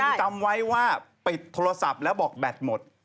คุณจำไว้ว่าปิดโทรศัพท์แล้วบอกแบตหมด